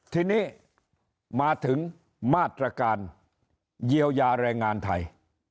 ทีนี้มาถึงมาตรการเยียวยาแรงงานไทย